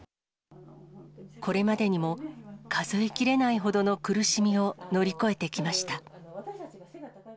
これまでにも、数えきれないほどの苦しみを乗り越えてきました。